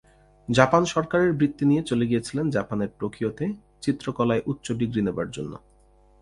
Japan সরকারের বৃত্তি নিয়ে চলে গিয়েছিলেন জাপানের টোকিওতে, চিত্রকলায় উচ্চ ডিগ্রী নেবার জন্য।